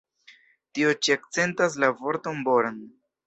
Tio ĉi akcentas la vorton "born".